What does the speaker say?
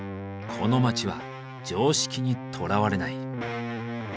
この街は常識にとらわれない。